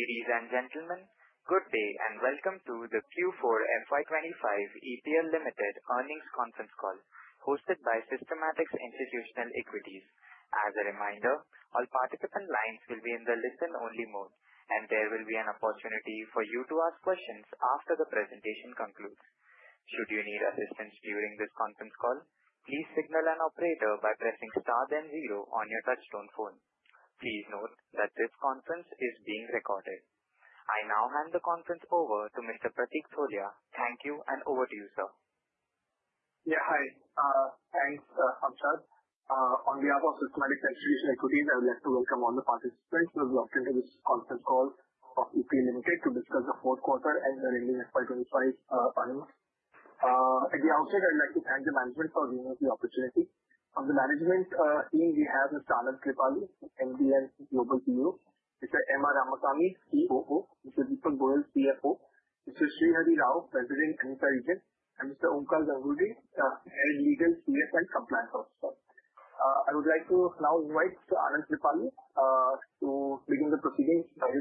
Ladies and gentlemen, good day and welcome to the Q4 FY 2025 EPL Limited earnings conference call, hosted by Systematix Institutional Equities. As a reminder, all participant lines will be in the listen-only mode, and there will be an opportunity for you to ask questions after the presentation concludes. Should you need assistance during this conference call, please signal an operator by pressing star then zero on your touch-tone phone. Please note that this conference is being recorded. I now hand the conference over to Mr. Prateek Tholiya. Thank you, and over to you, sir. Yeah, hi. Thanks, Amshad. On behalf of Systematix Institutional Equities, I would like to welcome all the participants who have logged into this conference call of EPL Limited to discuss the fourth quarter and the remaining FY 2025 earnings. At the outset, I'd like to thank the management for giving us the opportunity. On the management team, we have Mr. Anand Kripalu, MD and Global CEO, Mr. M. R. Ramasamy, COO, Mr. Deepak Goyal, CFO, Mr. Srihari Rao, President AMESA region, and Mr. Onkar Ghangurde, Head Legal, CF and Compliance Officer. I would like to now invite Mr. Anand Kripalu to begin the proceedings by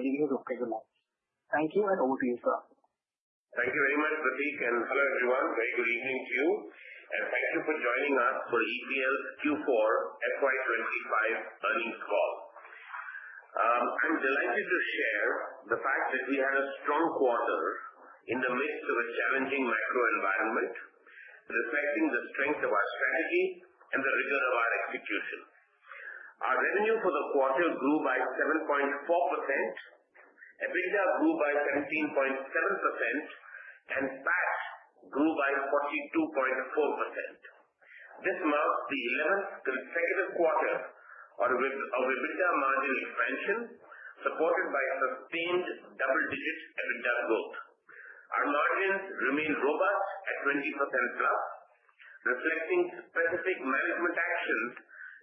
giving his opening remarks. Thank you, and over to you, sir. Thank you very much, Prateek, and hello everyone. Very good evening to you, and thank you for joining us for EPL Q4 FY 2025 earnings call. I'm delighted to share the fact that we had a strong quarter in the midst of a challenging microenvironment, reflecting the strength of our strategy and the rigor of our execution. Our revenue for the quarter grew by 7.4%, EBITDA grew by 17.7%, and PAT grew by 42.4%. This marks the 11th consecutive quarter of EBITDA margin expansion, supported by sustained double-digit EBITDA growth. Our margins remain robust at 20% plus, reflecting specific management actions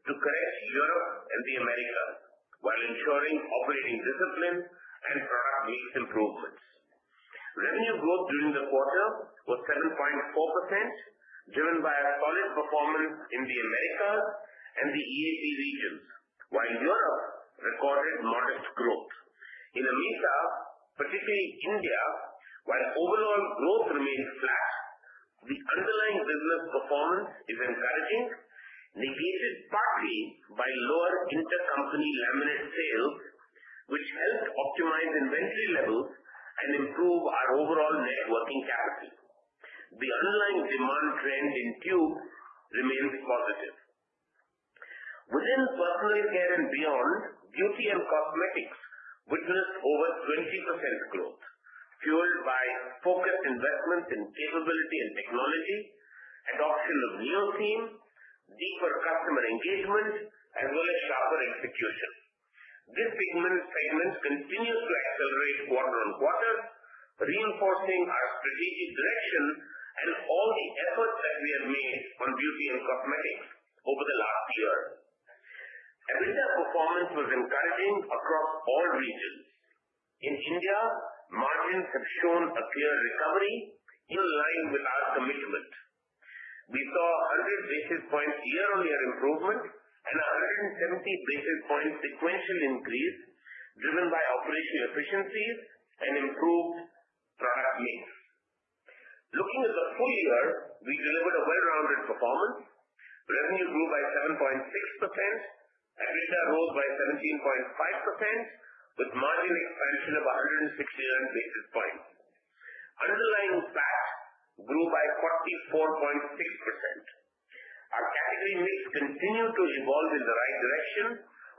to correct Europe and the Americas while ensuring operating discipline and product needs improvements. Revenue growth during the quarter was 7.4%, driven by solid performance in the Americas and the EAP regions, while Europe recorded modest growth. In Americas, particularly India, while overall growth remained flat, the underlying business performance is encouraging, negated partly by lower intercompany laminate sales, which helped optimize inventory levels and improve our overall net working capital. The underlying demand trend in Q remains positive. Within personal care and beyond, beauty and cosmetics witnessed over 20% growth, fueled by focused investments in capability and technology, adoption of new themes, deeper customer engagement, as well as sharper execution. This segment continues to accelerate quarter on quarter, reinforcing our strategic direction and all the efforts that we have made on beauty and cosmetics over the last year. EBITDA performance was encouraging across all regions. In India, margins have shown a clear recovery in line with our commitment. We saw 100 basis points year-on-year improvement and a 170 basis points sequential increase, driven by operational efficiencies and improved product needs. Looking at the full year, we delivered a well-rounded performance. Revenue grew by 7.6%, EBITDA rose by 17.5%, with margin expansion of 169 basis points. Underlying PAT grew by 44.6%. Our category mix continued to evolve in the right direction,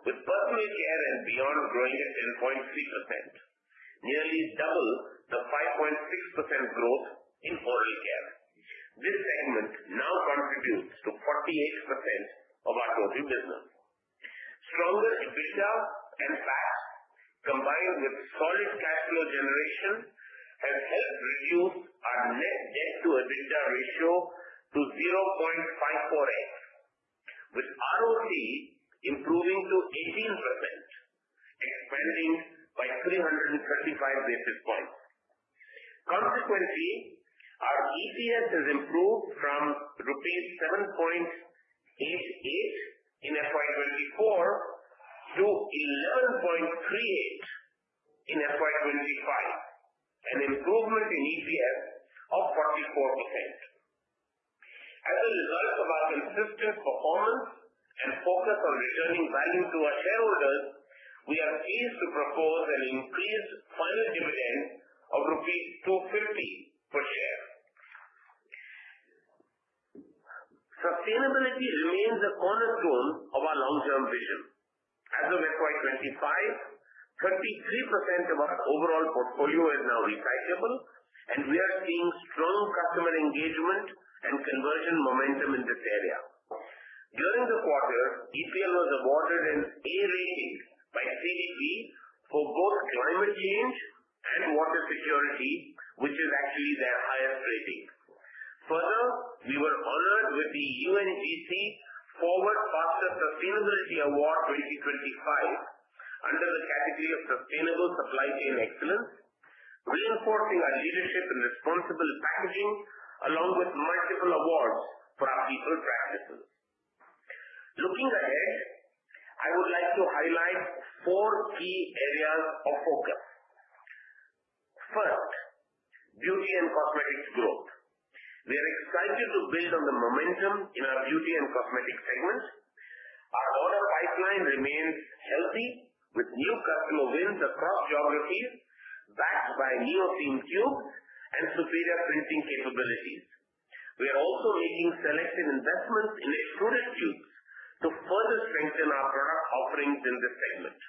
with personal care and beyond growing at 10.3%, nearly double the 5.6% growth in oral care. This segment now contributes to 48% of our total business. Stronger EBITDA and PAT, combined with solid cash flow generation, have helped reduce our net debt-to-EBITDA ratio to 0.54x, with ROC improving to 18%, expanding by 335 basis points. Consequently, our EPS has improved from INR 7.88 in FY 2024 to INR 11.38 in FY 2025, an improvement in EPS of 44%. As a result of our consistent performance and focus on returning value to our shareholders, we are pleased to propose an increased final dividend of INR 5 per share. Sustainability remains a cornerstone of our long-term vision. As of FY 2025, 33% of our overall portfolio is now recyclable, and we are seeing strong customer engagement and conversion momentum in this area. During the quarter, EPL was awarded an A-rating by CDP for both climate change and water security, which is actually their highest rating. Further, we were honored with the UNGC Forward Faster Sustainability Award 2025 under the category of Sustainable Supply Chain Excellence, reinforcing our leadership in responsible packaging, along with multiple awards for our people practices. Looking ahead, I would like to highlight four key areas of focus. First, beauty and cosmetics growth. We are excited to build on the momentum in our beauty and cosmetics segment. Our order pipeline remains healthy, with new customer wins across geographies, backed by Neotheme tubes and superior printing capabilities. We are also making selective investments in extruded tubes to further strengthen our product offerings in this segment.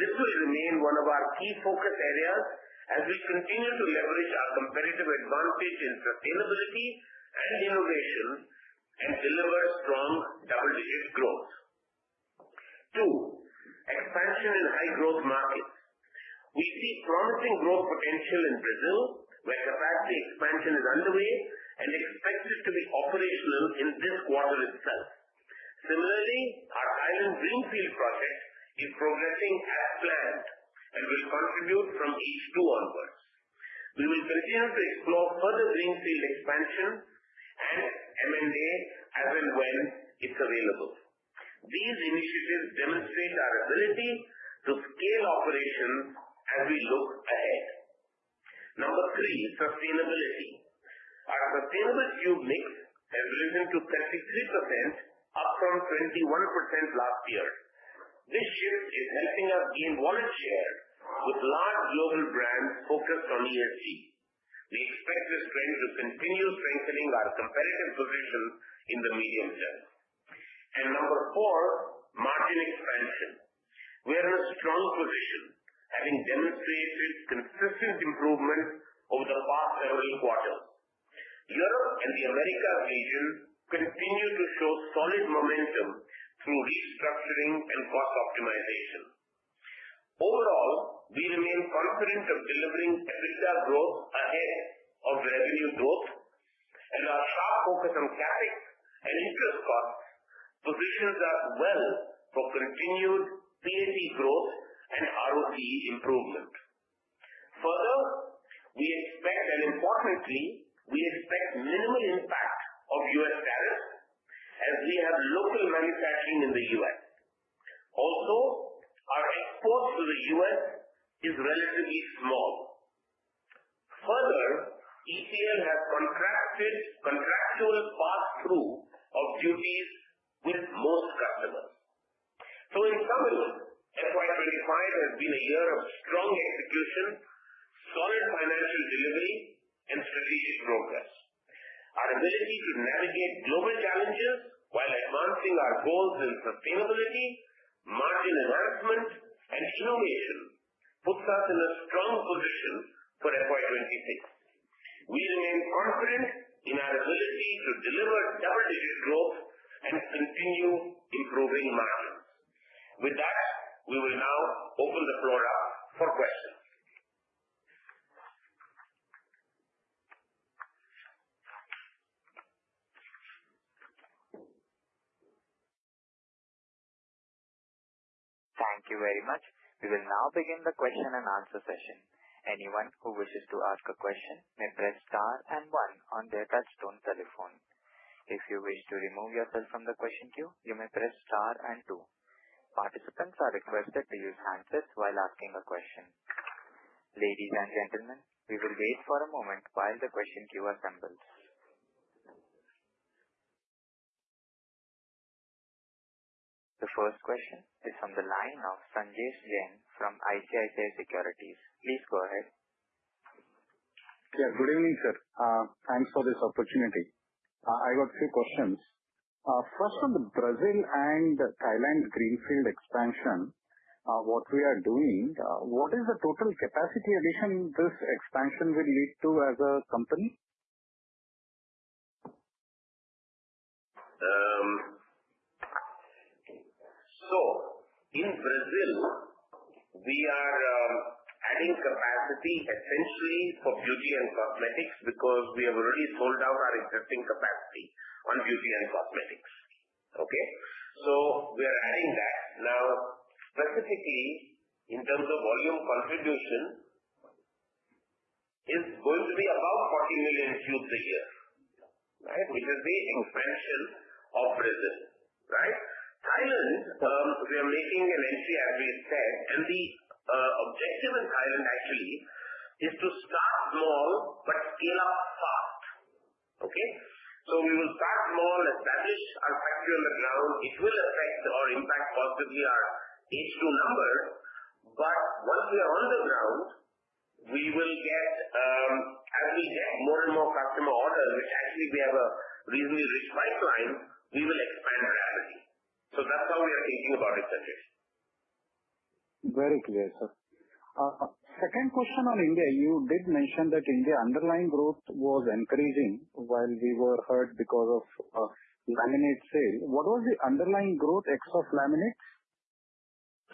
This will remain one of our key focus areas as we continue to leverage our competitive advantage in sustainability and innovation and deliver strong double-digit growth. Two, expansion in high-growth markets. We see promising growth potential in Brazil, where capacity expansion is underway and expected to be operational in this quarter itself. Similarly, our Thailand greenfield project is progressing as planned and will contribute from Q2 onwards. We will continue to explore further greenfield expansion and M&A as and when it's available. These initiatives demonstrate our ability to scale operations as we look ahead. Number three, sustainability. Our sustainable tube mix has risen to 33%, up from 21% last year. This shift is helping us gain volume share with large global brands focused on ESG. We expect this trend to continue strengthening our competitive position in the medium term. Number four, margin expansion. We are in a strong position, having demonstrated consistent improvement over the past several quarters. Europe and the Americas region continue to show solid momentum through restructuring and cost optimization. Overall, we remain confident of delivering EBITDA growth ahead of revenue growth, and our sharp focus on CapEx and interest costs positions us well for continued PAT growth and ROC improvement. Further, we expect, and importantly, we expect minimal impact of U.S. tariffs as we have local manufacturing in the U.S. Also, our exports to the U.S. is relatively small. Further, EPL has contractual pass-through of duties with most customers. In summary, FY2025 has been a year of strong execution, solid financial delivery, and strategic progress. Our ability to navigate global challenges while advancing our goals in sustainability, margin enhancement, and innovation puts us in a strong position for FY 2026. We remain confident in our ability to deliver double-digit growth and continue improving margins. With that, we will now open the floor up for questions. Thank you very much. We will now begin the question and answer session. Anyone who wishes to ask a question may press star and one on their touchstone telephone. If you wish to remove yourself from the question queue, you may press star and two. Participants are requested to use handsets while asking a question. Ladies and gentlemen, we will wait for a moment while the question queue assembles. The first question is from the line of Sanjesh Jain from ICICI Securities. Please go ahead. Yeah, good evening, sir. Thanks for this opportunity. I got a few questions. First, on the Brazil and Thailand Greenfield expansion, what we are doing, what is the total capacity addition this expansion will lead to as a company? In Brazil, we are adding capacity essentially for beauty and cosmetics because we have already sold out our existing capacity on beauty and cosmetics. Okay? We are adding that. Now, specifically, in terms of volume contribution, it is going to be about 40 million cubic meters, which is the expansion of Brazil, right? Thailand, we are making an entry, as we said, and the objective in Thailand actually is to start small but scale up fast. Okay? We will start small, establish our factory on the ground. It will affect or impact positively our H2 numbers, but once we are on the ground, as we get more and more customer orders, which actually we have a reasonably rich pipeline, we will expand rapidly. That is how we are thinking about it, Sanjay. Very clear, sir. Second question on India. You did mention that India's underlying growth was increasing while we were hurt because of laminate sales. What was the underlying growth except laminates?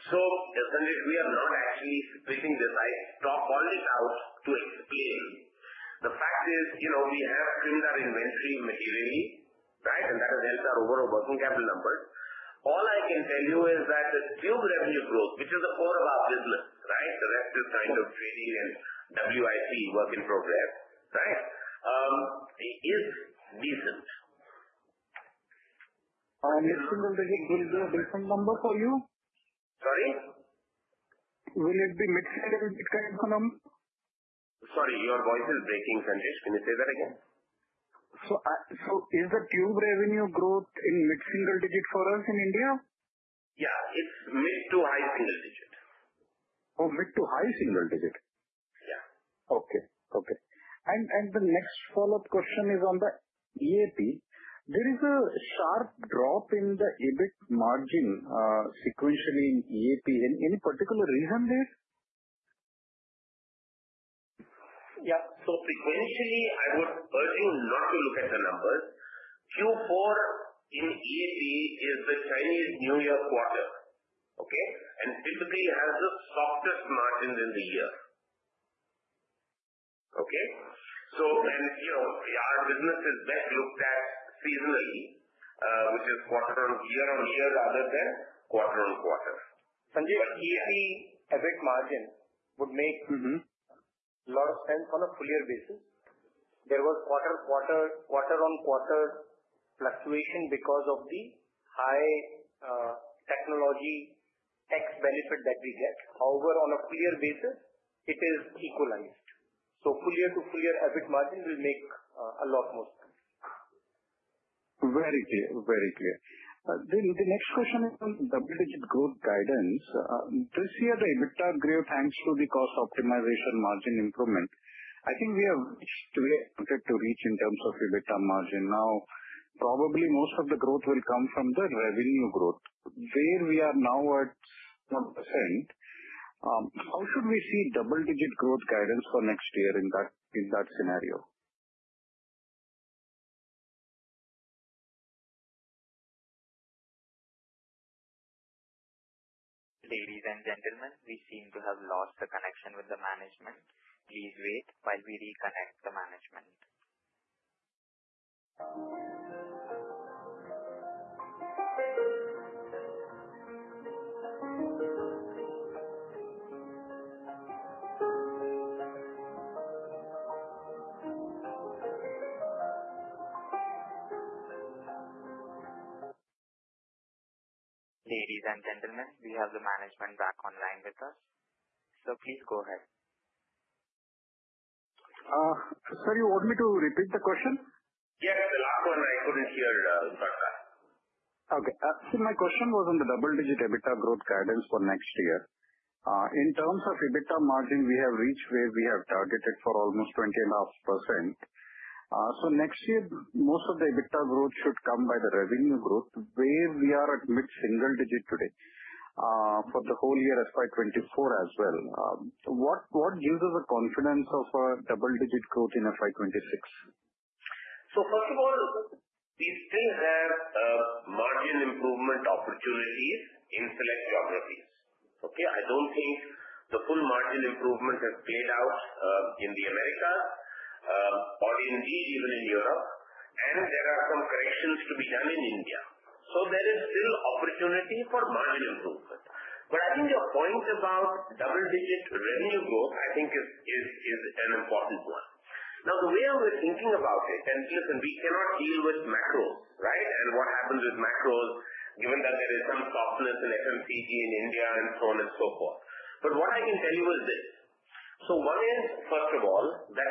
Sanjay, we are not actually splitting this. I talk all this out to explain. The fact is we have trimmed our inventory materially, right, and that has helped our overall working capital numbers. All I can tell you is that the tube revenue growth, which is the core of our business, right, the rest is kind of trading and WIP, work in progress, right, is decent. Is it going to be a decent number for you? Sorry? Will it be mid-single digit kind of a number? Sorry, your voice is breaking, Sanjay. Can you say that again? Is the tube revenue growth in mid-single digit for us in India? Yeah, it's mid to high single digit. Oh, mid to high single digit. Yeah. Okay. Okay. The next follow-up question is on the EAP. There is a sharp drop in the EBIT margin sequentially in EAP. Any particular reason there? Yeah. Sequentially, I would urge you not to look at the numbers. Q4 in EAP is the Chinese New Year quarter, okay, and typically has the softest margins in the year. Okay? Our business is best looked at seasonally, which is quarter on year on year rather than quarter on quarter. Sanjay, EAP EBIT margin would make a lot of sense on a full-year basis. There was quarter on quarter fluctuation because of the high technology tax benefit that we get. However, on a full-year basis, it is equalized. So full-year to full-year EBIT margin will make a lot more sense. Very clear. Very clear. The next question is on double-digit growth guidance. This year, the EBITDA grew thanks to the cost optimization margin improvement. I think we have reached where we wanted to reach in terms of EBITDA margin. Now, probably most of the growth will come from the revenue growth. Where we are now at 1%, how should we see double-digit growth guidance for next year in that scenario? Ladies and gentlemen, we seem to have lost the connection with the management. Please wait while we reconnect the management. Ladies and gentlemen, we have the management back online with us. Please go ahead. Sir, you want me to repeat the question? Yes, the last one. I couldn't hear you, Sanjay. Okay. See, my question was on the double-digit EBITDA growth guidance for next year. In terms of EBITDA margin, we have reached where we have targeted for almost 20.5%. Next year, most of the EBITDA growth should come by the revenue growth, where we are at mid-single digit today for the whole year FY 2024 as well. What gives us the confidence of a double-digit growth in FY 2026? First of all, we still have margin improvement opportunities in select geographies. Okay? I do not think the full margin improvement has played out in the Americas or indeed even in Europe, and there are some corrections to be done in India. There is still opportunity for margin improvement. I think your point about double-digit revenue growth, I think, is an important one. Now, the way I was thinking about it, and listen, we cannot deal with macros, right, and what happens with macros, given that there is some softness in FMCG in India and so on and so forth. What I can tell you is this. One is, first of all, that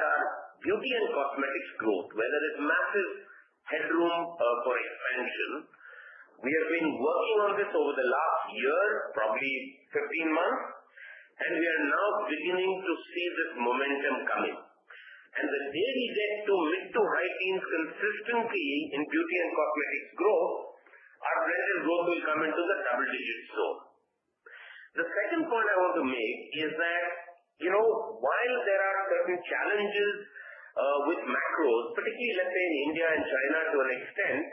our beauty and cosmetics growth, where there is massive headroom for expansion, we have been working on this over the last year, probably 15 months, and we are now beginning to see this momentum coming. The day we get to mid to high teens consistently in beauty and cosmetics growth, our branded growth will come into the double-digit zone. The second point I want to make is that while there are certain challenges with macros, particularly, let's say, in India and China to an extent,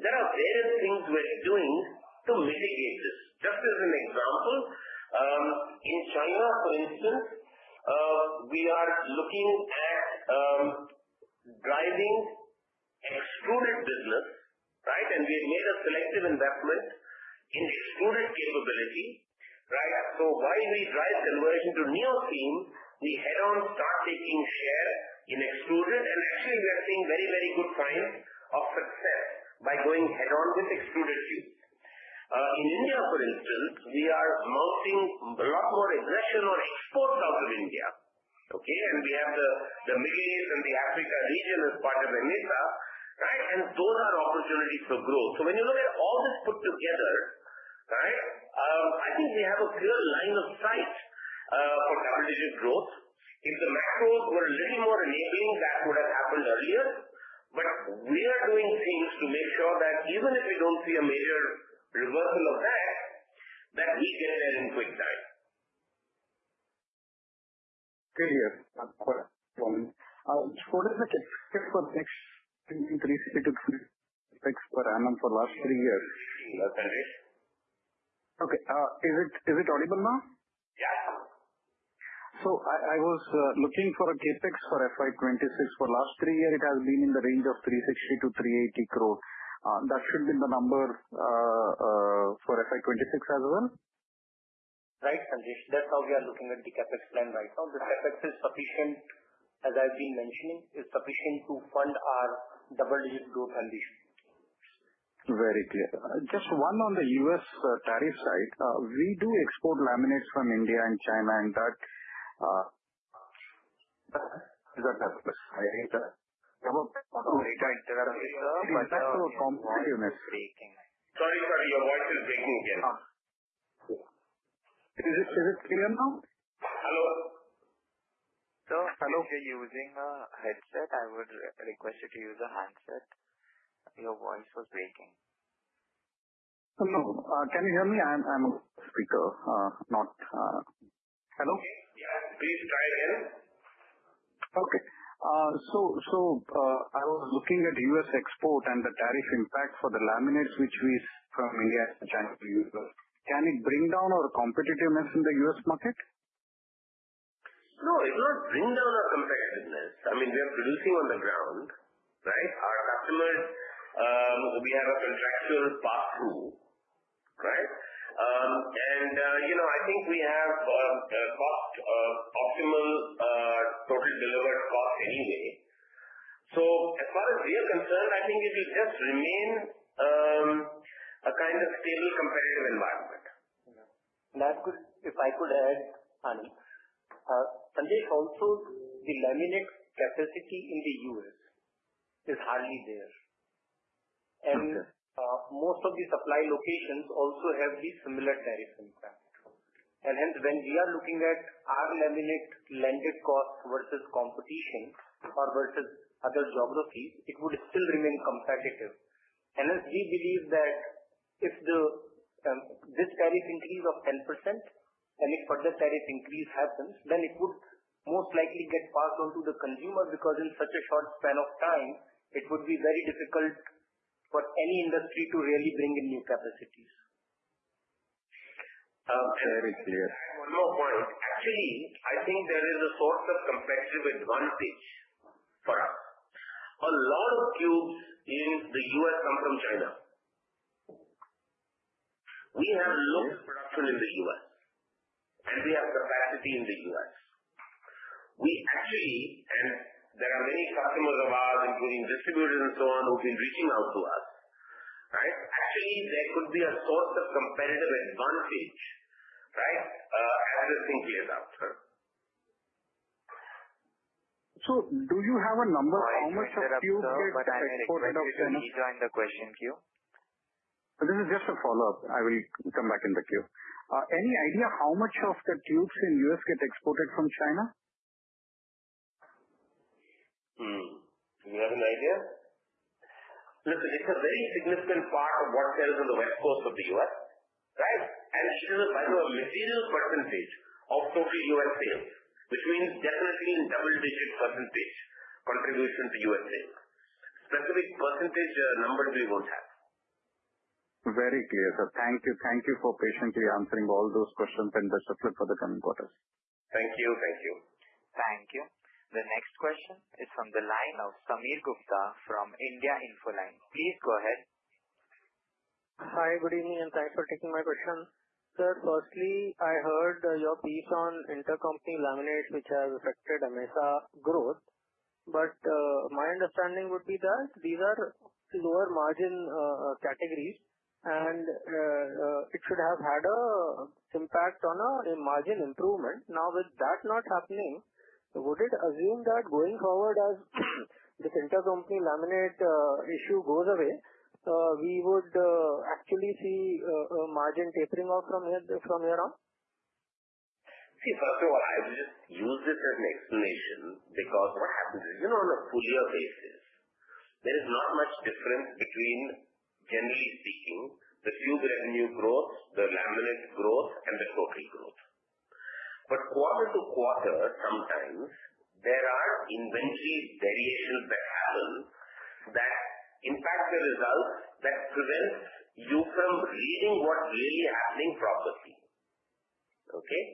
there are various things we're doing to mitigate this. Just as an example, in China, for instance, we are looking at driving extruded business, right, and we have made a selective investment in extruded capability, right? While we drive conversion to new themes, we head-on start taking share in extruded, and actually, we are seeing very, very good signs of success by going head-on with extruded tubes. In India, for instance, we are mounting a lot more aggression on exports out of India, okay, and we have the Middle East and the Africa region as part of EMITA, right, and those are opportunities for growth. When you look at all this put together, I think we have a clear line of sight for double-digit growth. If the macros were a little more enabling, that would have happened earlier, but we are doing things to make sure that even if we do not see a major reversal of that, we get there in quick time. Clear. One question. What is the CapEx increase we took for Anand for the last three years? What's that, Sanjay? Okay. Is it audible now? Yes. I was looking for a CapEx for FY 2026. For the last three years, it has been in the range of 360 crore-380 crore. That should be the number for FY 2026 as well? Right, Sanjay. That is how we are looking at the CapEx plan right now. The CapEx is sufficient, as I have been mentioning, is sufficient to fund our double-digit growth ambition. Very clear. Just one on the U.S. tariff side. We do export laminates from India and China, Sorry, your voice is breaking again. Is it clear now? Hello? If you're using a headset, I would request you to use a handset. Your voice was breaking. Hello? Can you hear me? I'm on speaker, not hello? Okay. Yeah. Please try again. Okay. So I was looking at US export and the tariff impact for the laminates, which we from India and China to the US. Can it bring down our competitiveness in the US market? No, it will not bring down our competitiveness. I mean, we are producing on the ground, right? Our customers, we have a contractual pass-through, right? I think we have cost optimal total delivered cost anyway. As far as we are concerned, I think it will just remain a kind of stable competitive environment. If I could add, Sanjay, also the laminate capacity in the U.S. is hardly there. Most of the supply locations also have these similar tariff impacts. Hence, when we are looking at our laminate landing cost versus competition or versus other geographies, it would still remain competitive. As we believe that if this tariff increase of 10% and if further tariff increase happens, then it would most likely get passed on to the consumer because in such a short span of time, it would be very difficult for any industry to really bring in new capacities. Very clear. One more point. Actually, I think there is a sort of competitive advantage for us. A lot of tubes in the U.S. come from China. We have local production in the U.S., and we have capacity in the U.S. We actually, and there are many customers of ours, including distributors and so on, who have been reaching out to us, right? Actually, there could be a sort of competitive advantage, right, as this thing plays out. Do you have a number of how much of tubes get exported of China? Can you join the question queue? This is just a follow-up. I will come back in the Q. Any idea how much of the tubes in US get exported from China? Do you have an idea? Listen, it's a very significant part of what sells on the West Coast of the U.S., right? It is about a material percentage of total U.S. sales, which means definitely double-digit % contribution to U.S. sales. Specific percentage numbers we won't have. Very clear, sir. Thank you. Thank you for patiently answering all those questions and the circle for the coming quarters. Thank you. Thank you. Thank you. The next question is from the line of Sameer Gupta from India Infoline. Please go ahead. Hi, good evening, and thanks for taking my question. Sir, firstly, I heard your piece on intercompany laminates, which has affected EMITA growth, but my understanding would be that these are lower margin categories, and it should have had an impact on a margin improvement. Now, with that not happening, would it assume that going forward, as this intercompany laminate issue goes away, we would actually see a margin tapering off from here on? See, first of all, I would just use this as an explanation because what happens is, on a full-year basis, there is not much difference between, generally speaking, the tube revenue growth, the laminate growth, and the total growth. Quarter to quarter, sometimes, there are inventory variations that happen that impact the results that prevent you from reading what's really happening properly. Okay?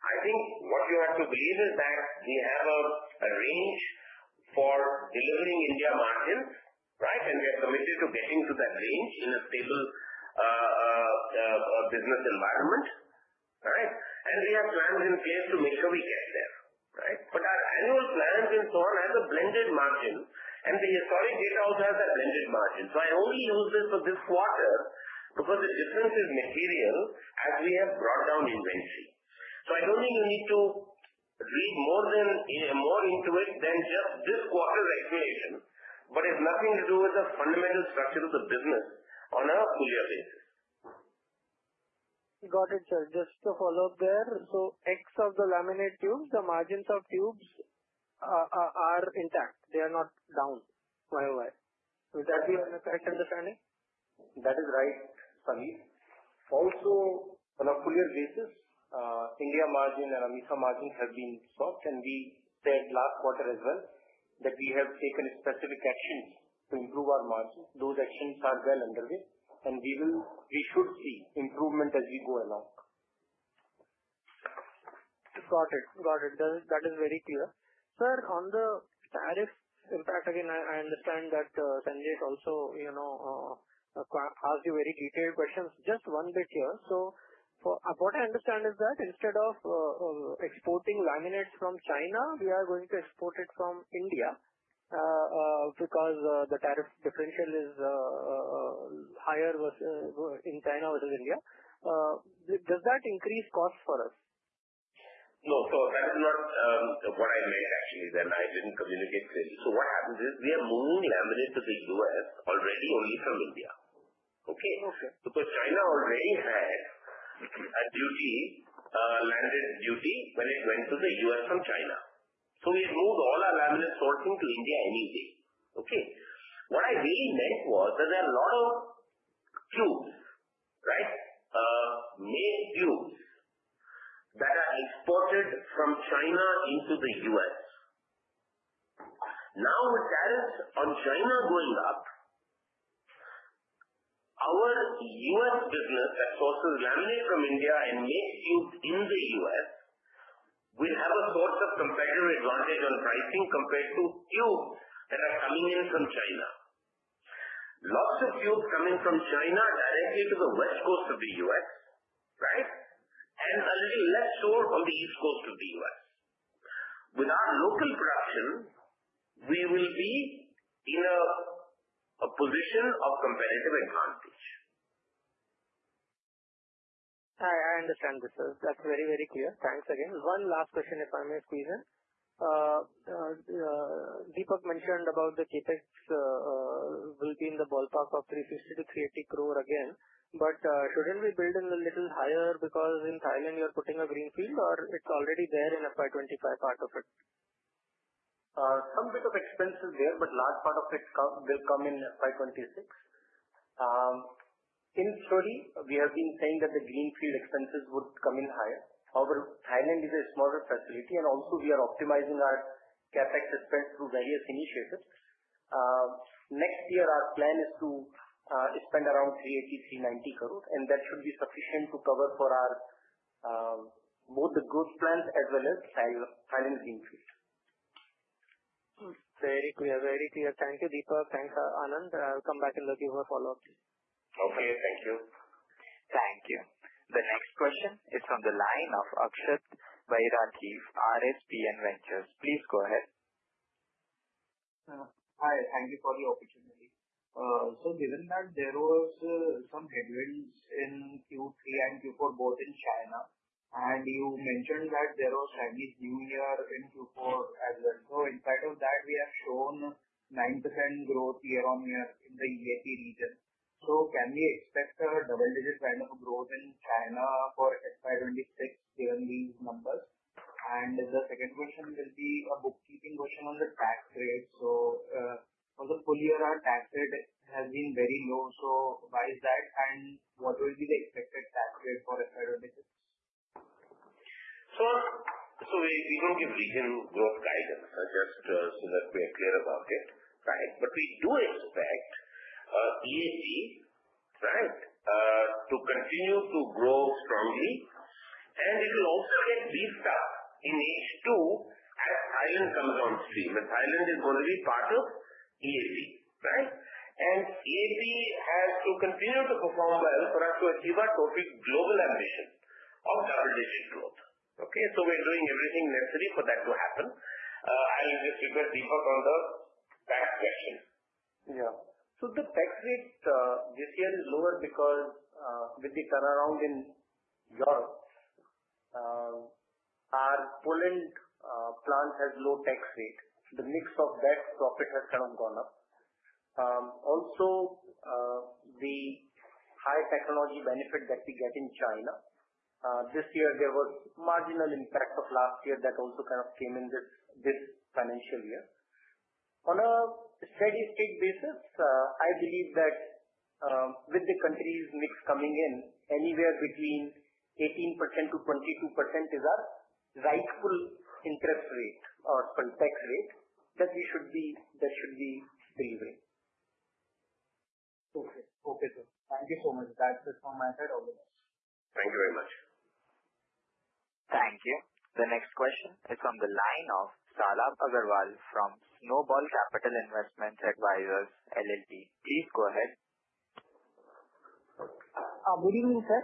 I think what you have to believe is that we have a range for delivering India margins, right, and we are committed to getting to that range in a stable business environment, right? We have plans in place to make sure we get there, right? Our annual plans and so on have a blended margin, and the historic data also has that blended margin. I only use this for this quarter because the difference is material as we have brought down inventory. I do not think you need to read more into it than just this quarter's explanation, but it has nothing to do with the fundamental structure of the business on a full-year basis. Got it, sir. Just a follow-up there. So X of the laminate tubes, the margins of tubes are intact. They are not down. Why or why? Would that be a correct understanding? That is right, Samir. Also, on a full-year basis, India margin and EMITA margins have been soft, and we said last quarter as well that we have taken specific actions to improve our margins. Those actions are well underway, and we should see improvement as we go along. Got it. Got it. That is very clear. Sir, on the tariff impact, again, I understand that Sanjay also asked you very detailed questions. Just one bit here. What I understand is that instead of exporting laminates from China, we are going to export it from India because the tariff differential is higher in China versus India. Does that increase costs for us? No, so that is not what I meant, actually, that I did not communicate clearly. What happens is we are moving laminate to the US already only from India, okay? Okay. Because China already had a laminate duty when it went to the U.S. from China. We had moved all our laminate sourcing to India anyway, okay? What I really meant was that there are a lot of tubes, right, made tubes that are exported from China into the U.S. Now, with tariffs on China going up, our U.S. business that sources laminate from India and makes tubes in the U.S. will have a sort of competitive advantage on pricing compared to tubes that are coming in from China. Lots of tubes coming from China directly to the West Coast of the U.S., right, and a little less so on the East Coast of the U.S. With our local production, we will be in a position of competitive advantage. I understand, sir. That is very, very clear. Thanks again. One last question, if I may squeeze in. Deepak mentioned about the CapEx will be in the ballpark of 360 crore-380 crore again, but should not we build in a little higher because in Thailand, you are putting a greenfield, or it is already there in FY 2025 part of it? Some bit of expense is there, but large part of it will come in FY 2026. In theory, we have been saying that the greenfield expenses would come in higher. However, Thailand is a smaller facility, and also, we are optimizing our CapEx spend through various initiatives. Next year, our plan is to spend around 380-390 crore, and that should be sufficient to cover for both the growth plans as well as Thailand's greenfield. Very clear. Very clear. Thank you, Deepak. Thanks, Anand. I'll come back and let you have a follow-up. Okay. Thank you. Thank you. The next question is from the line of Akshat Bairathi, RSPN Ventures. Please go ahead. Hi. Thank you for the opportunity. Given that there were some headwinds in Q3 and Q4, both in China, and you mentioned that there was Chinese New Year in Q4 as well. In spite of that, we have shown 9% growth year on year in the EAP region. Can we expect a double-digit kind of growth in China for FY 2026 given these numbers? The second question will be a bookkeeping question on the tax rate. For the full year, our tax rate has been very low. Why is that, and what will be the expected tax rate for FY 2026? We do not give regional growth guidance, just so that we are clear about it, right? We do expect EAP, right, to continue to grow strongly, and it will also get beefed up in H2 as Thailand comes on stream. Thailand is going to be part of EAP, right? EAP has to continue to perform well for us to achieve our total global ambition of double-digit growth, okay? We are doing everything necessary for that to happen. I'll just request Deepak on the tax question. Yeah. So the tax rate this year is lower because with the turnaround in Europe, our Poland plant has low tax rate. The mix of that profit has kind of gone up. Also, the high technology benefit that we get in China, this year, there was marginal impact of last year that also kind of came in this financial year. On a steady-state basis, I believe that with the countries' mix coming in, anywhere between 18%-22% is our rightful interest rate or tax rate that we should be delivering. Okay. Okay, sir. Thank you so much. That's it from my side. All the best. Thank you very much. Thank you. The next question is from the line of Shalabh Agarwal from Snowball Capital Investments Advisors, LLP. Please go ahead. Good evening, sir.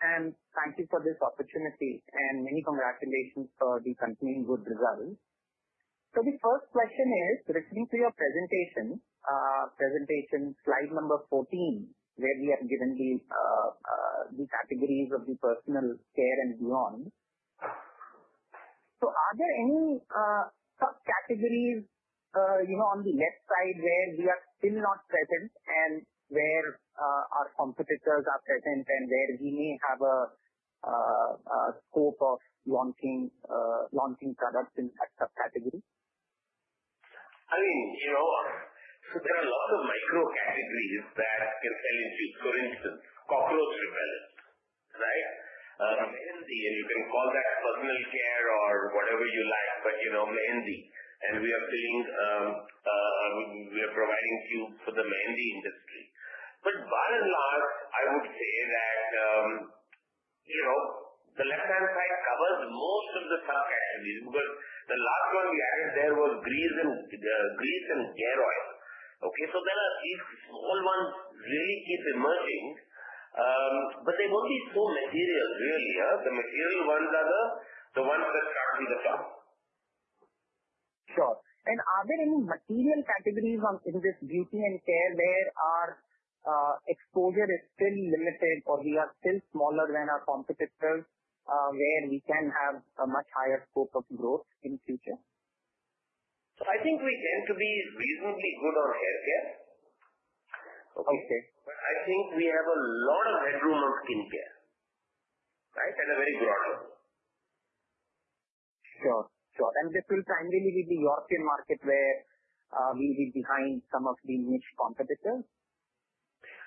Thank you for this opportunity, and many congratulations for the continuing good results. The first question is, listening to your presentation, slide number 14, where we have given the categories of the personal care and beyond, are there any subcategories on the left side where we are still not present and where our competitors are present and where we may have a scope of launching products in that subcategory? I mean, there are lots of micro-categories that can sell into. For instance, cockroach repellent, right? Mehendi, and you can call that personal care or whatever you like, but Mehendi. And we are providing tubes for the Mehendi industry. By and large, I would say that the left-hand side covers most of the subcategories because the last one we added there was grease and gear oil. There are these small ones that really keep emerging, but they will not be so material, really. The material ones are the ones that come to the top. Sure. Are there any material categories in this beauty and care where our exposure is still limited or we are still smaller than our competitors where we can have a much higher scope of growth in the future? I think we tend to be reasonably good on haircare. Okay. I think we have a lot of headroom on skincare, right, at a very broad level. Sure. Sure. This will primarily be the European market where we'll be behind some of the niche competitors?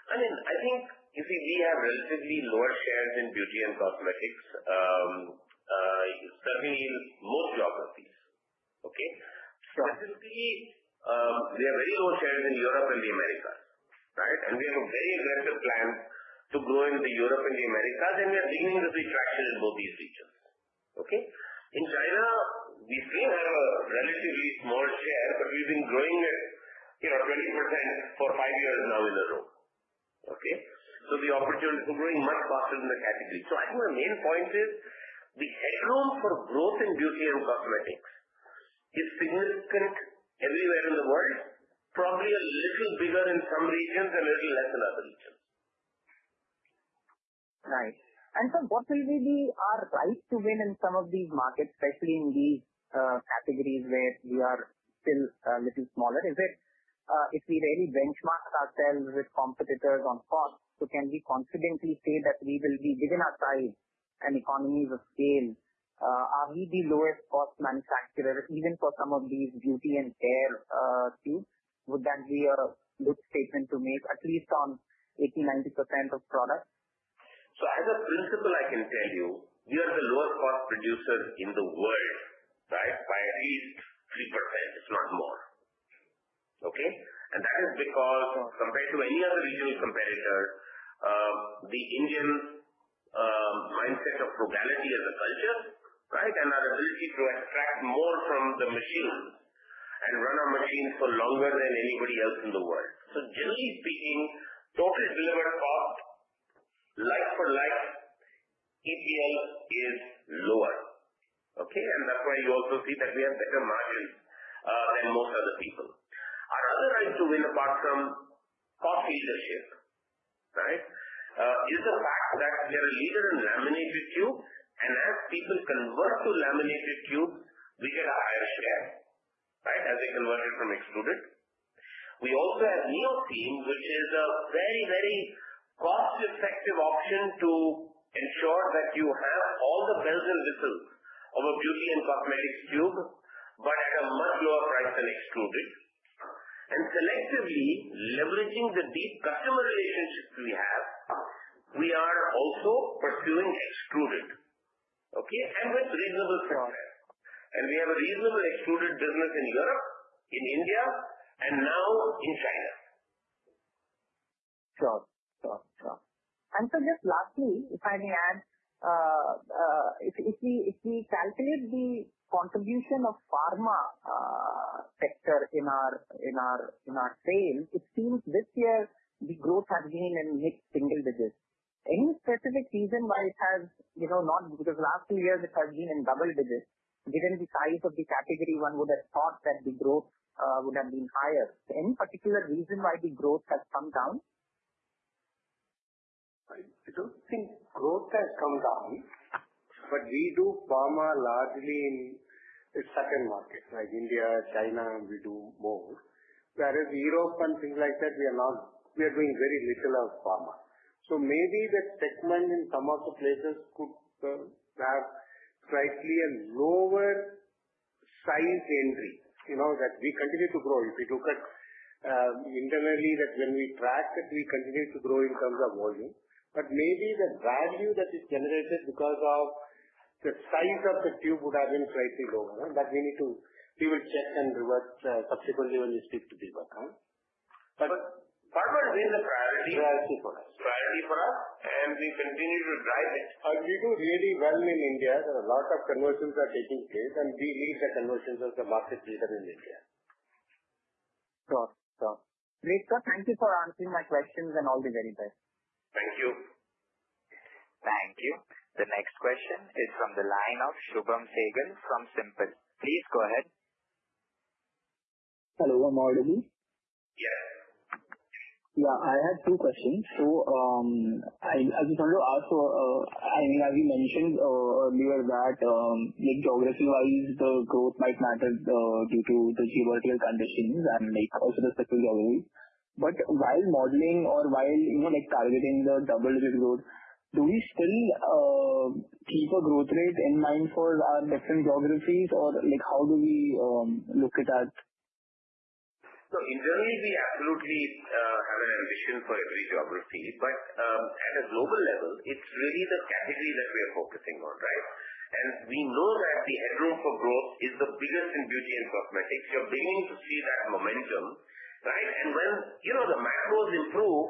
I mean, I think, you see, we have relatively lower shares in beauty and cosmetics, certainly in most geographies, okay? Sure. Specifically, we have very low shares in Europe and the Americas, right? We have a very aggressive plan to grow in Europe and the Americas, and we are beginning to see traction in both these regions, okay? In China, we still have a relatively small share, but we've been growing at 20% for five years now in a row, okay? The opportunities are growing much faster in the category. I think my main point is the headroom for growth in beauty and cosmetics is significant everywhere in the world, probably a little bigger in some regions and a little less in other regions. Right. Sir, what will be our right to win in some of these markets, especially in these categories where we are still a little smaller? If we really benchmark ourselves with competitors on cost, can we confidently say that we will be within our size and economies of scale? Are we the lowest-cost manufacturer even for some of these beauty and care tubes? Would that be a good statement to make, at least on 80-90% of products? As a principle, I can tell you we are the lowest-cost producer in the world, right, by at least 3%, if not more, okay? That is because compared to any other regional competitor, the Indian mindset of frugality as a culture, right, and our ability to extract more from the machines and run our machines for longer than anybody else in the world. Generally speaking, total delivered cost, like for like, EPL is lower, okay? That is why you also see that we have better margins than most other people. Our other right to win, apart from cost leadership, right, is the fact that we are a leader in laminated tubes, and as people convert to laminated tubes, we get a higher share, right, as they convert it from extruded. We also have Neotheme, which is a very, very cost-effective option to ensure that you have all the bells and whistles of a beauty and cosmetics tube, but at a much lower price than extruded. Selectively leveraging the deep customer relationships we have, we are also pursuing extruded, okay, and with reasonable success. We have a reasonable extruded business in Europe, in India, and now in China. Sure. Sure. And sir, just lastly, if I may add, if we calculate the contribution of the pharma sector in our sales, it seems this year the growth has been in mid-single digits. Any specific reason why it has not, because the last two years it has been in double digits, given the size of the category, one would have thought that the growth would have been higher. Any particular reason why the growth has come down? I don't think growth has come down, but we do pharma largely in second markets like India, China, we do more. Whereas Europe and things like that, we are doing very little on pharma. Maybe the segment in some of the places could have slightly a lower size entry that we continue to grow. If you look at internally, when we track, we continue to grow in terms of volume. Maybe the value that is generated because of the size of the tube would have been slightly lower. We need to, we will check and revert subsequently when we speak to Deepak. Pharma has been the priority. Priority for us. Priority for us, and we continue to drive it. We do really well in India. There are a lot of conversions that are taking place, and we lead the conversions as a market leader in India. Sure. Sure. Deepak, thank you for answering my questions and all the very best. Thank you. Thank you. The next question is from the line of Shubham Sehgal from SIMPL. Please go ahead. Hello. Good morning. Yes. Yeah. I have two questions. As you kind of asked, I mean, as you mentioned earlier that geography-wise, the growth might matter due to the geographical conditions and also the special geographies. While modeling or while targeting the double-digit growth, do we still keep a growth rate in mind for our different geographies, or how do we look at that? Internally, we absolutely have an ambition for every geography, but at a global level, it's really the category that we are focusing on, right? We know that the headroom for growth is the biggest in beauty and cosmetics. You're beginning to see that momentum, right? When the macros improve,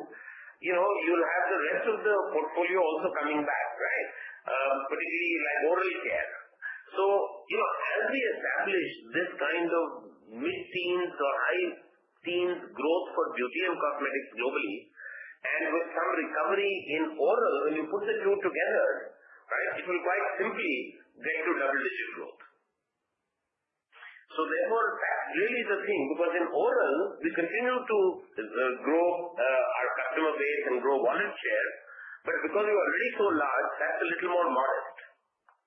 you'll have the rest of the portfolio also coming back, right? Particularly like oral care. As we establish this kind of mid-teens or high-teens growth for beauty and cosmetics globally, and with some recovery in oral, when you put the two together, it will quite simply get to double-digit growth. Therefore, that's really the thing because in oral, we continue to grow our customer base and grow volume share, but because we are already so large, that's a little more modest.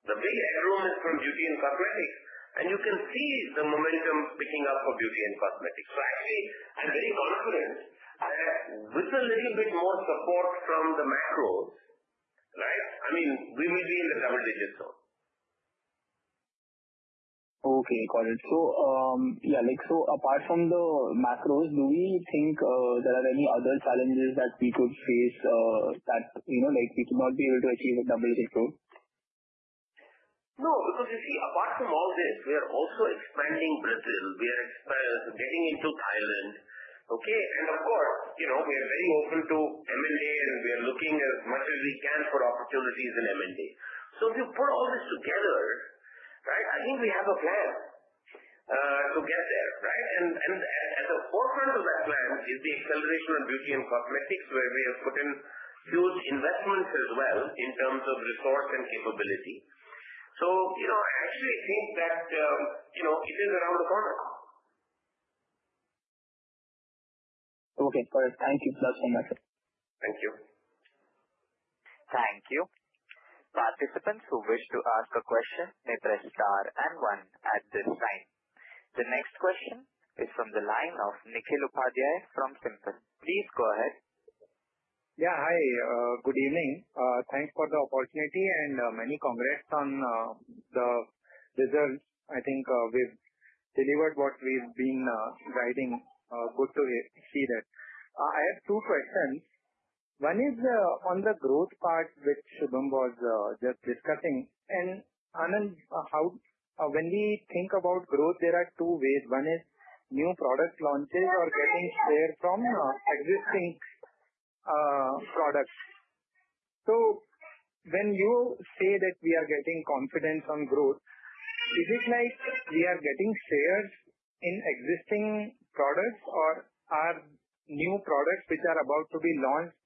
The big headroom is from beauty and cosmetics, and you can see the momentum picking up for beauty and cosmetics. Actually, I'm very confident that with a little bit more support from the macros, I mean, we will be in the double-digit zone. Okay. Got it. So yeah, apart from the macros, do we think there are any other challenges that we could face that we could not be able to achieve a double-digit growth? No. Because you see, apart from all this, we are also expanding Brazil. We are getting into Thailand, okay? Of course, we are very open to M&A, and we are looking as much as we can for opportunities in M&A. If you put all this together, right, I think we have a plan to get there, right? At the forefront of that plan is the acceleration of beauty and cosmetics, where we have put in huge investments as well in terms of resource and capability. I actually think that it is around the corner. Okay. Got it. Thank you so much. Thank you. Thank you. Participants who wish to ask a question may press star and one at this time. The next question is from the line of Nikhil Upadhyay from SIMPL. Please go ahead. Yeah. Hi. Good evening. Thanks for the opportunity and many congrats on the results. I think we've delivered what we've been writing. Good to see that. I have two questions. One is on the growth part, which Shubham was just discussing. And Anand, when we think about growth, there are two ways. One is new product launches or getting shares from existing products. So when you say that we are getting confidence on growth, is it like we are getting shares in existing products, or are new products which are about to be launched,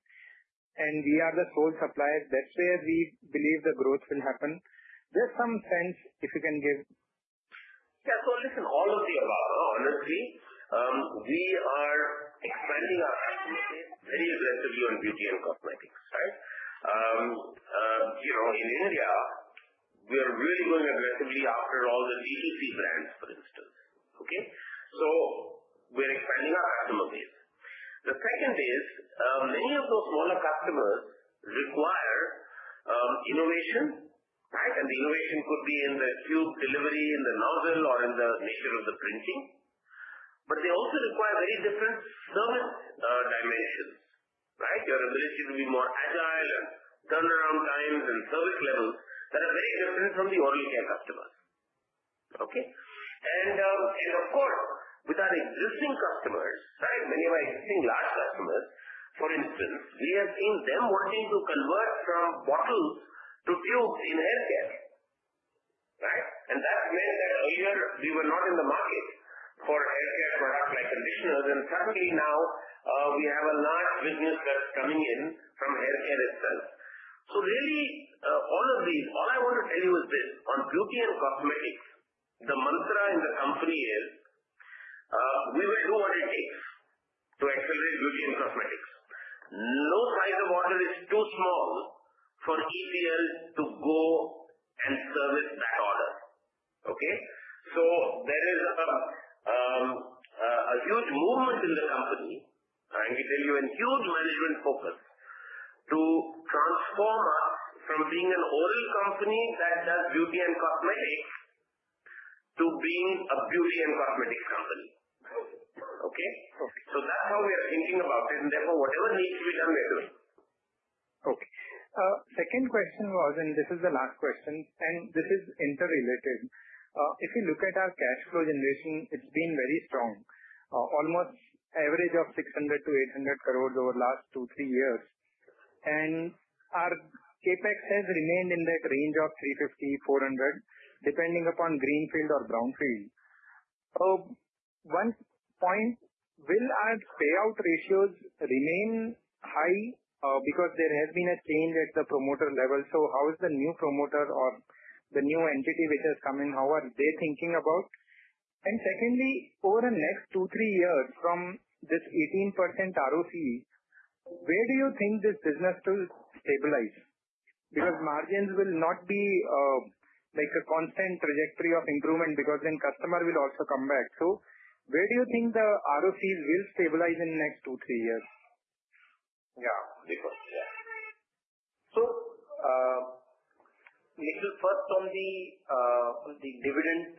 and we are the sole suppliers? That's where we believe the growth will happen. Just some sense, if you can give. Yeah. So listen, all of the above, honestly, we are expanding our customer base very aggressively on beauty and cosmetics, right? In India, we are really going aggressively after all the VTC brands, for instance, okay? So we're expanding our customer base. The second is many of those smaller customers require innovation, right? And the innovation could be in the tube delivery, in the nozzle, or in the nature of the printing. They also require very different service dimensions, right? Your ability to be more agile and turnaround times and service levels that are very different from the oral care customers, okay? Of course, with our existing customers, right, many of our existing large customers, for instance, we have seen them wanting to convert from bottles to tubes in haircare, right? That meant that earlier, we were not in the market for haircare products like conditioners, and suddenly now we have a large business that is coming in from haircare itself. Really, all of these, all I want to tell you is this: on beauty and cosmetics, the mantra in the company is, "We will do what it takes to accelerate beauty and cosmetics." No size of order is too small for EPL to go and service that order, okay? There is a huge movement in the company. I can tell you a huge management focus to transform us from being an oral company that does beauty and cosmetics to being a beauty and cosmetics company, okay? That is how we are thinking about it, and therefore, whatever needs to be done, we are doing. Okay. Second question was, and this is the last question, and this is interrelated. If you look at our cash flow generation, it's been very strong, almost average of 600-800 crore over the last two, three years. And our CapEx has remained in that range of 350-400 crore, depending upon greenfield or brownfield. One point: will our payout ratios remain high? Because there has been a change at the promoter level, so how is the new promoter or the new entity which has come in? How are they thinking about? And secondly, over the next two, three years from this 18% ROC, where do you think this business will stabilize? Because margins will not be a constant trajectory of improvement because then customer will also come back. So where do you think the ROCs will stabilize in the next two, three years? Yeah. Definitely. Yeah. Nikhil, first on the dividend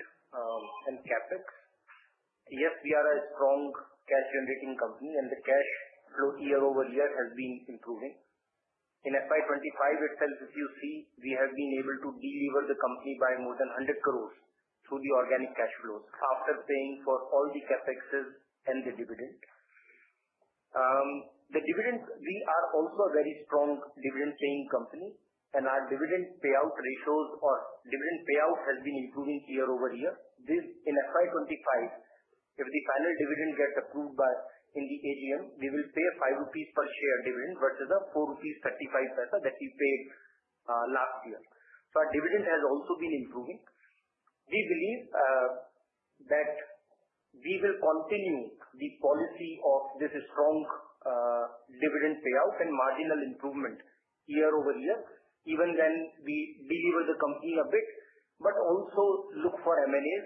and CapEx, yes, we are a strong cash-generating company, and the cash flow year over year has been improving. In FY 2025 itself, if you see, we have been able to deliver the company by more than 100 crore through the organic cash flows after paying for all the CapEx and the dividend. The dividend, we are also a very strong dividend-paying company, and our dividend payout ratios or dividend payout has been improving year over year. In FY 2025, if the final dividend gets approved in the AGM, we will pay an 5 rupees per share dividend versus an 4.35 that we paid last year. Our dividend has also been improving. We believe that we will continue the policy of this strong dividend payout and marginal improvement year over year, even when we delever the company a bit, but also look for M&As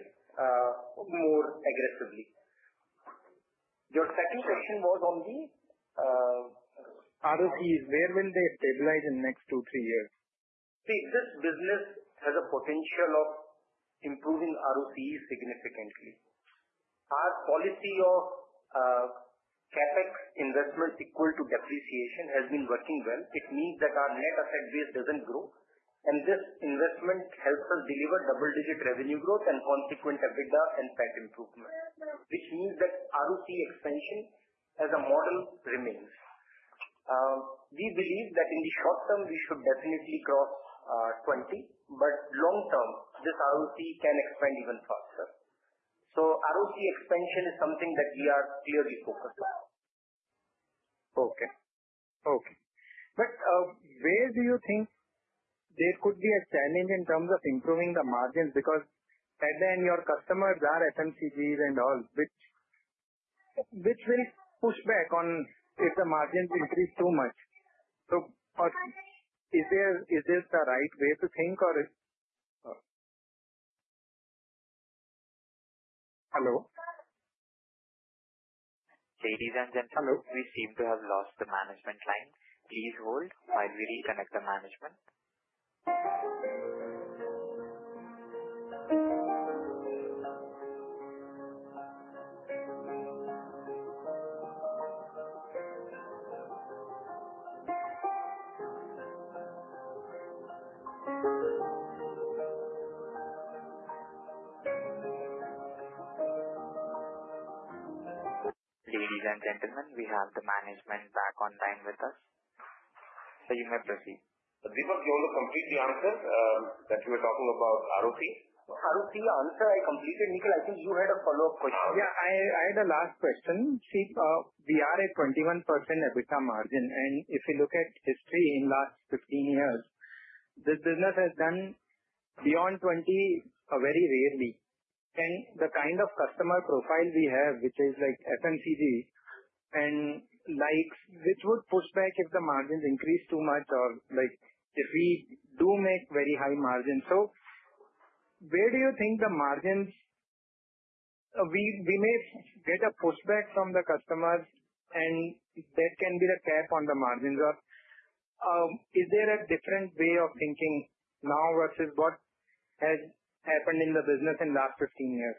more aggressively. Your second question was on the. ROCs. Where will they stabilize in the next two, three years? See, this business has a potential of improving ROCs significantly. Our policy of CapEx investment equal to depreciation has been working well. It means that our net asset base does not grow, and this investment helps us deliver double-digit revenue growth and consequent EBITDA and PAT improvement, which means that ROC expansion as a model remains. We believe that in the short term, we should definitely cross 20, but long term, this ROC can expand even faster. ROC expansion is something that we are clearly focused on. Okay. Okay. Where do you think there could be a challenge in terms of improving the margins? Because at the end, your customers are FMCGs and all, which will push back on if the margins increase too much. Is this the right way to think, or? Hello? Ladies and gentlemen, we seem to have lost the management line. Please hold while we reconnect the management. Ladies and gentlemen, we have the management back online with us. You may proceed. Deepak, you want to complete the answer that you were talking about ROC? ROC answer, I completed. Nikhil, I think you had a follow-up question. Yeah. I had a last question. See, we are at 21% EBITDA margin, and if you look at history in the last 15 years, this business has done beyond 20 very rarely. And the kind of customer profile we have, which is like FMCG, and which would push back if the margins increase too much or if we do make very high margins. So where do you think the margins we may get a pushback from the customers, and there can be a cap on the margins? Or is there a different way of thinking now versus what has happened in the business in the last 15 years?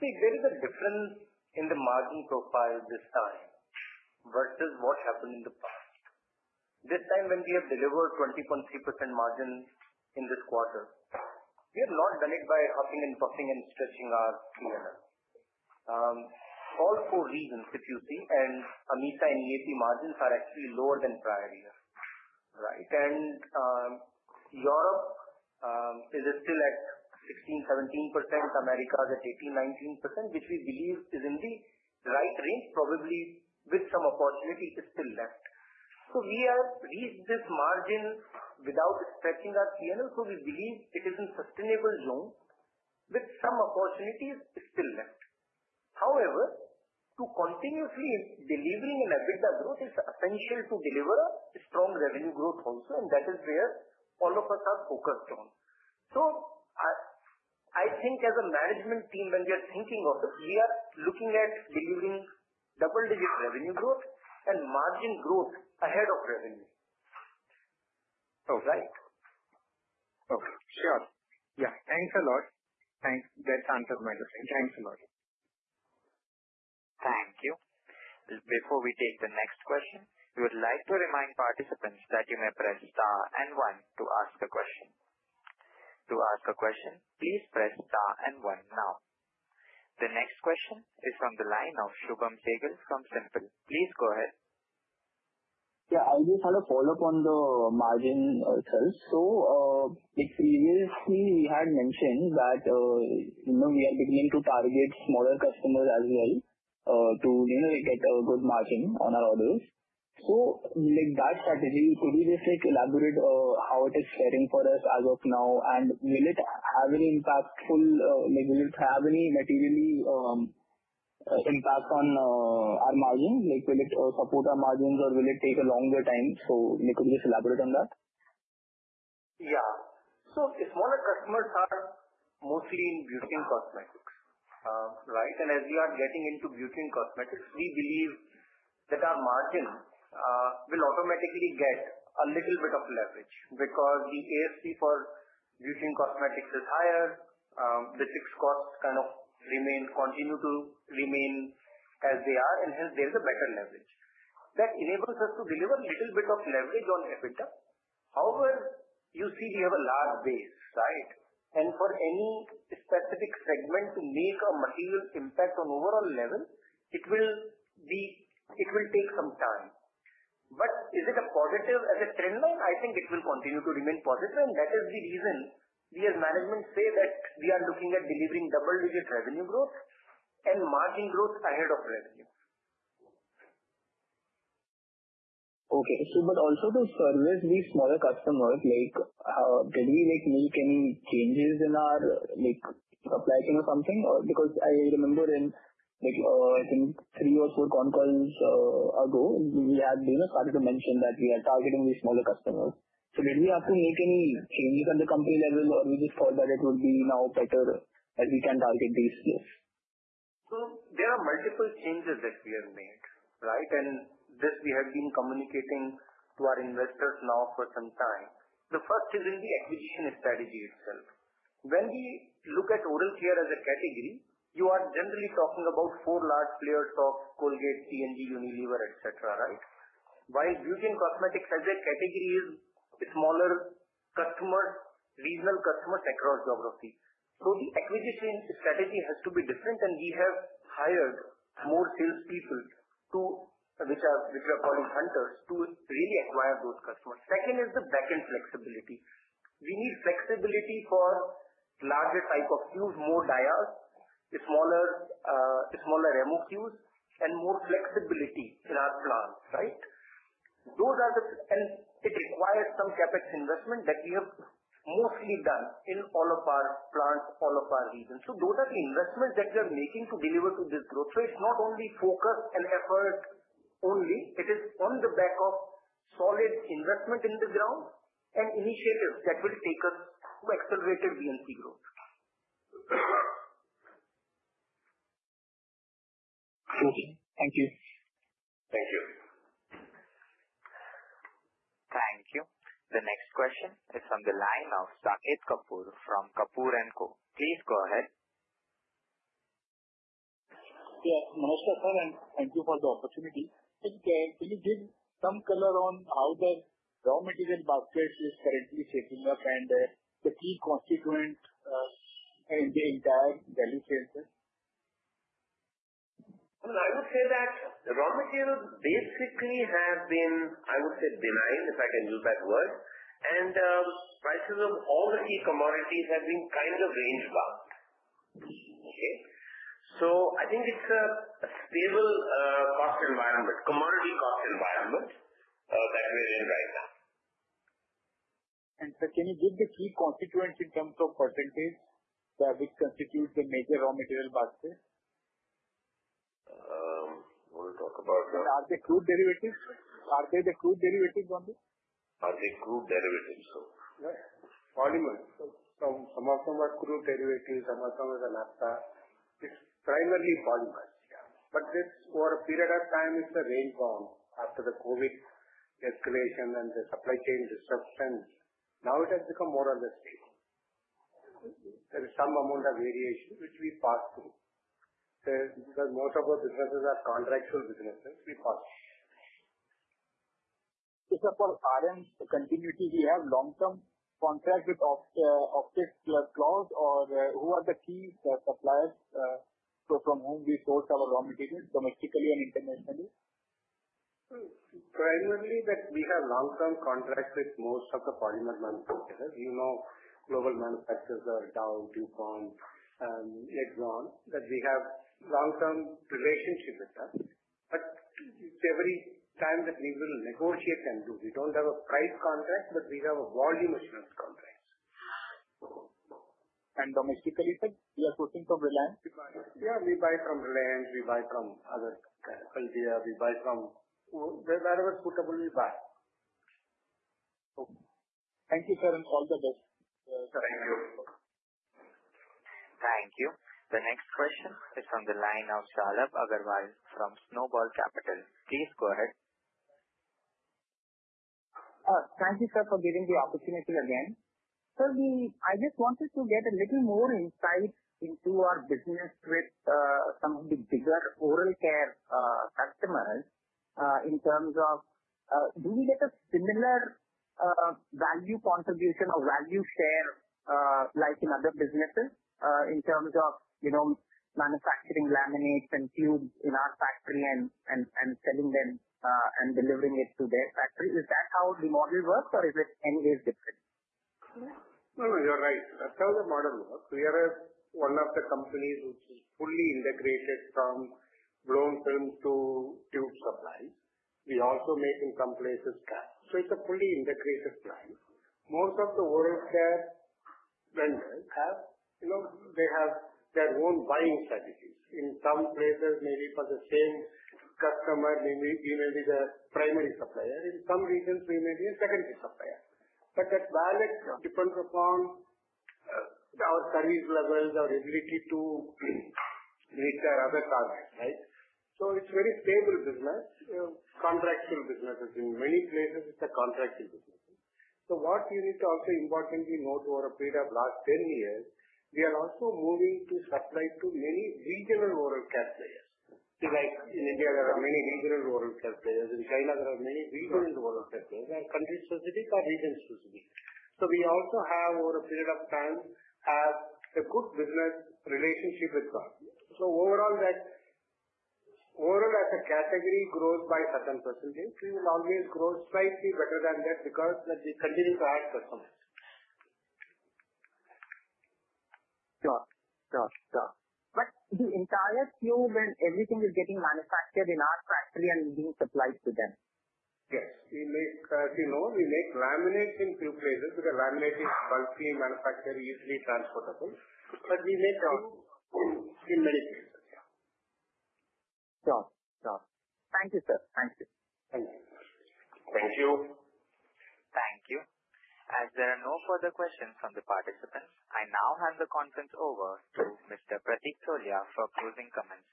See, there is a difference in the margin profile this time versus what happened in the past. This time, when we have delivered 20.3% margin in this quarter, we have not done it by huffing and puffing and stretching our P&L. All four regions, if you see, and EMITA and EAP margins are actually lower than prior year, right? Europe is still at 16-17%. Americas is at 18-19%, which we believe is in the right range. Probably with some opportunity, it is still left. We have reached this margin without stretching our P&L, so we believe it is in sustainable zone with some opportunities still left. However, to continuously delivering an EBITDA growth is essential to deliver strong revenue growth also, and that is where all of us are focused on. I think as a management team, when we are thinking of it, we are looking at delivering double-digit revenue growth and margin growth ahead of revenue, right? Okay. Sure. Yeah. Thanks a lot. Thanks. That answers my question. Thanks a lot. Thank you. Before we take the next question, we would like to remind participants that you may press star and one to ask a question. To ask a question, please press star and one now. The next question is from the line of Shubham Sehgal from SIMPL. Please go ahead. Yeah. I just had a follow-up on the margin itself. We had mentioned that we are beginning to target smaller customers as well to get a good margin on our orders. That strategy, could you just elaborate how it is faring for us as of now? Will it have any impact, will it have any material impact on our margins? Will it support our margins, or will it take a longer time? Could you just elaborate on that? Yeah. Smaller customers are mostly in beauty and cosmetics, right? As we are getting into beauty and cosmetics, we believe that our margin will automatically get a little bit of leverage because the ASP for beauty and cosmetics is higher. The fixed costs kind of continue to remain as they are, and hence there is a better leverage. That enables us to deliver a little bit of leverage on EBITDA. However, you see, we have a large base, right? For any specific segment to make a material impact on overall level, it will take some time. Is it a positive as a trend line? I think it will continue to remain positive, and that is the reason we as management say that we are looking at delivering double-digit revenue growth and margin growth ahead of revenue. Okay. Also, to service these smaller customers, did we make any changes in our supply chain or something? I remember in, I think, three or four con calls ago, we had started to mention that we are targeting these smaller customers. Did we have to make any changes at the company level, or we just thought that it would be now better that we can target these? There are multiple changes that we have made, right? This we have been communicating to our investors now for some time. The first is in the acquisition strategy itself. When we look at oral care as a category, you are generally talking about four large players: Colgate, P&G, Unilever, etc., right? While beauty and cosmetics as a category is smaller regional customers across geography. The acquisition strategy has to be different, and we have hired more salespeople, which we are calling hunters, to really acquire those customers. Second is the backend flexibility. We need flexibility for larger type of queues, more dials, smaller remote queues, and more flexibility in our plants, right? It requires some CapEx investment that we have mostly done in all of our plants, all of our regions. Those are the investments that we are making to deliver to this growth rate. It's not only focus and effort only. It is on the back of solid investment in the ground and initiatives that will take us to accelerated VNC growth. Thank you. Thank you. Thank you. The next question is from the line of Saket Kapoor from Kapoor & Co. Please go ahead. Yeah. Namaskar, sir, and thank you for the opportunity. Can you give some color on how the raw material basket is currently shaping up and the key constituent in the entire value chain? I would say that raw materials basically have been, I would say, benign, if I can use that word. Prices of all the key commodities have been kind of range-bound, okay? I think it is a stable commodity cost environment that we are in right now. Sir, can you give the key constituents in terms of percentage that constitute the major raw material basket? You want to talk about? Are they crude derivatives? Are they the crude derivatives only? Are they crude derivatives, sir? Yeah. Polymers. Some of them are crude derivatives. Some of them are the naphtha. It's primarily polymers. For a period of time, it's a range-bound after the COVID escalation and the supply chain disruption. Now it has become more or less stable. There is some amount of variation, which we pass through. Most of our businesses are contractual businesses. We pass through. Is it for RM continuity? Do we have long-term contract with [Dow, DuPont, Exxon], or who are the key suppliers from whom we source our raw materials domestically and internationally? Primarily, we have long-term contracts with most of the polymer manufacturers. You know, global manufacturers are Dow, DuPont, Exxon, that we have long-term relationships with them. It is every time that we will negotiate and do. We do not have a price contract, but we have a volume assurance contract. Domestically, sir? You are sourcing from Reliance? Yeah. We buy from Reliance. We buy from other [Haldiya]. We buy from wherever suitable, we buy. Okay. Thank you, sir, and all the best. Thank you. Thank you. The next question is from the line of Shalabh Agarwal from Snowball Capital. Please go ahead. Thank you, sir, for giving the opportunity again. Sir, I just wanted to get a little more insight into our business with some of the bigger oral care customers in terms of do we get a similar value contribution or value share like in other businesses in terms of manufacturing laminates and tubes in our factory and selling them and delivering it to their factory? Is that how the model works, or is it any ways different? No, you're right. That's how the model works. We are one of the companies which is fully integrated from blown films to tube supplies. We also make in some places cap. So it's a fully integrated plan. Most of the oral care vendors have their own buying strategies. In some places, maybe for the same customer, maybe they may be the primary supplier. In some regions, we may be a secondary supplier. That balance depends upon our service levels, our ability to meet our other targets, right? It's a very stable business, contractual businesses. In many places, it's a contractual business. What you need to also importantly note over a period of the last 10 years, we are also moving to supply to many regional oral care players. Like in India, there are many regional oral care players. In China, there are many regional oral care players. They are country-specific or region-specific. We also have, over a period of time, had a good business relationship with them. Overall, as a category, growth by certain percentage, we will always grow slightly better than that because we continue to add customers. Sure. Sure. But the entire tube and everything is getting manufactured in our factory and being supplied to them? Yes. As you know, we make laminates in a few places because laminate is bulky, manufactured, easily transportable. But we make in many places. Sure. Sure. Thank you, sir. Thank you. Thank you. Thank you. Thank you. As there are no further questions from the participants, I now hand the conference over to Mr. Prateek Dholia for closing comments.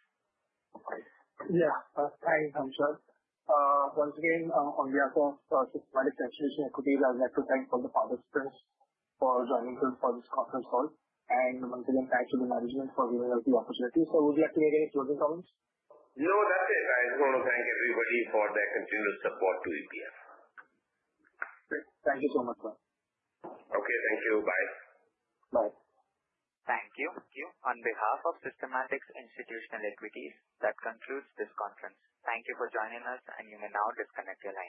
Yeah. Thanks, Anshad. Once again, on behalf of Systematics Institutional Equities, I would like to thank all the participants for joining us for this conference call and management. Thanks to the management for giving us the opportunity. Would you like to make any closing comments? No, that's it. I just want to thank everybody for their continued support to EPL. Great. Thank you so much, sir. Okay. Thank you. Bye. Bye. Thank you. On behalf of Systematix Institutional Equities, that concludes this conference. Thank you for joining us, and you may now disconnect your line.